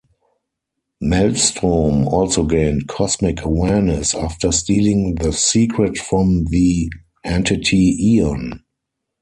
Maelstrom also gained "cosmic awareness" after stealing the secret from the entity Eon.